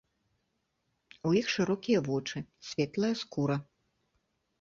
У іх шырокія вочы, светлая скура.